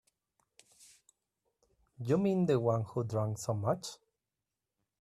You mean the one who drank so much?